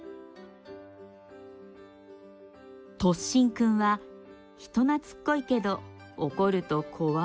「トッシンくん」は人懐っこいけど怒ると怖い。